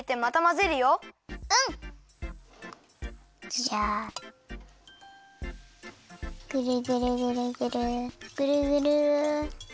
ぐるぐるぐるぐるぐるぐる。